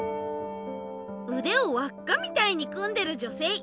うでをわっかみたいに組んでる女性。